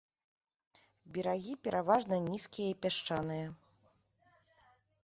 Берагі пераважна нізкія і пясчаныя.